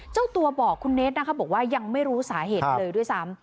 เจ้าตัวบอกคุณเนสนะคะบอกว่ายังไม่รู้สาเหตุเลยด้วยซ้ำ